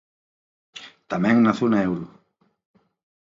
Tamén na zona euro.